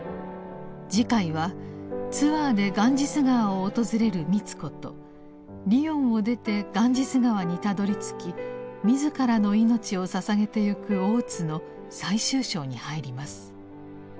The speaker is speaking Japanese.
次回はツアーでガンジス河を訪れる美津子とリヨンを出てガンジス河にたどりつき自らの命をささげてゆく大津の最終章に入ります。